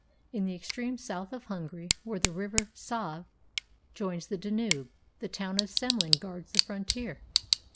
In the extreme south of Hungary, where the river Save joins the Danube, the town of Semlin guards the frontier.